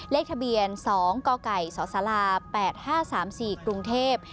เลขทะเบียน๒กกสศ๘๕๓๔กรุงเทพฯ